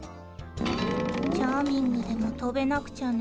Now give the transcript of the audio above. チャーミングでもとべなくちゃね。